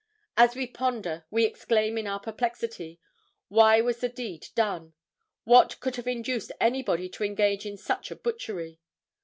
As we ponder, we exclaim in our perplexity, why was the deed done? What could have induced anybody to engage in such a butchery?